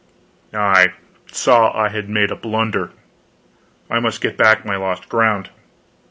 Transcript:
I saw I had made a blunder. I must get back my lost ground.